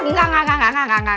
tidak tidak tidak tidak